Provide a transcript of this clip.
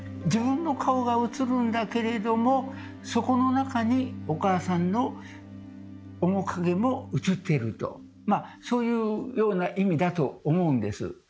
自分の顔が映るんだけれどもそこの中にお母さんの面影も映っているとまあそういうような意味だと思うんです。